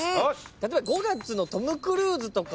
例えば５月のトム・クルーズとかはね。